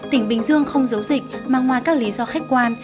tỉnh bình dương không giấu dịch mà ngoài các lý do khách quan